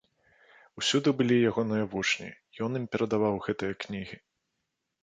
Усюды былі ягоныя вучні, ён ім перадаваў гэтыя кнігі.